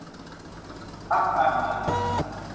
พรรคการเมืองใหม่